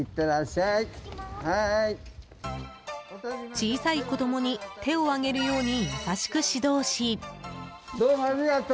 小さい子供に手を上げるように優しく指導し。